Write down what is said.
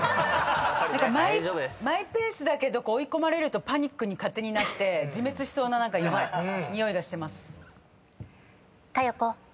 何かマイペースだけど追い込まれるとパニックに勝手になって自滅しそうなにおいがしてます。